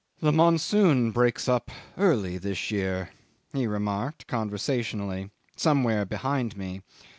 "The monsoon breaks up early this year," he remarked conversationally, somewhere behind me.